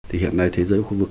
hiện nay thế giới khu vực